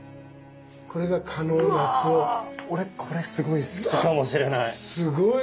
俺これすごい好きかもしれない。